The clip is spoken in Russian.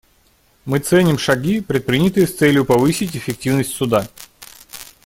Мы ценим шаги, предпринятые с целью повысить эффективность Суда.